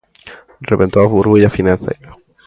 Rebentou a burbulla financeira.